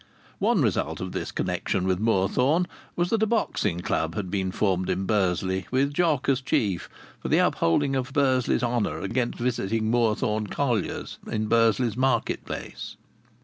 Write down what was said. One result of this connection with Moorthorne was that a boxing club had been formed in Bursley, with Jock as chief, for the upholding of Bursley's honour against visiting Moorthorne colliers in Bursley's market place.